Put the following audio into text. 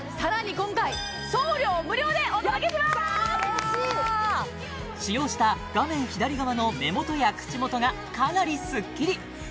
嬉しい使用した画面左側の目元や口元がかなりスッキリ！